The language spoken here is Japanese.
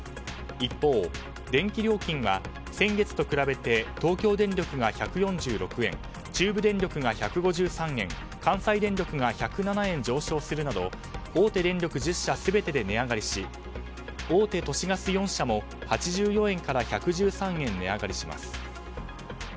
一方、電気料金は先月と比べて東京電力が１４６円中部電力が１５３円関西電力が１０７円上昇するなど大手電力１０社全てで値上がりし大手都市ガス４社も８４円から１１３円値上がりします。